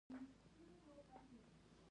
دا انحصار د هسپانوي سلطنت لاس ته ولوېد.